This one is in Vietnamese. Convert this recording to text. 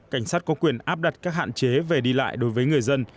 cảnh sát có quyền áp đặt các hạn chế về đi lại đối với người dân